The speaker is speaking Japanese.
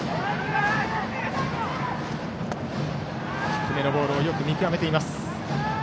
低めのボールをよく見極めています。